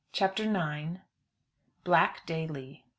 CHAPTER IX. BLACK DALY.